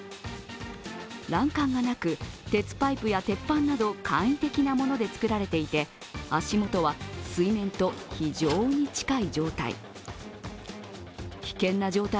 欄干がなく鉄パイプや鉄板など簡易的なものでつくられていて足元は水面と非常に近い状態。